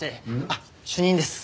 あっ主任です。